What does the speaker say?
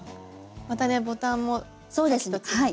またねボタンもさっきと違って。